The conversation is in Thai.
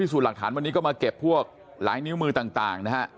สูตรหลักฐานวันนี้ก็มาเก็บพวกหลายนิ้วมือต่างนะฮะ